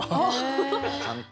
ちゃんと。